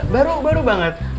baru baru banget